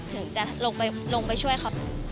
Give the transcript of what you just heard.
ถึงจะลงไปช่วยเขา